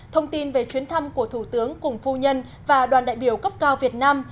thông tin về chuyến thăm của thủ tướng cùng phu nhân và đoàn đại biểu cấp cao việt nam